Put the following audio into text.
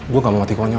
gue gak mau mati konyol